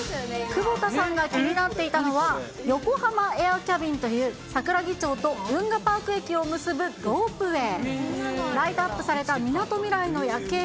窪田さんが気になっていたのは、ヨコハマエアキャビンという、桜木町と運河パーク駅を結ぶロープウエー。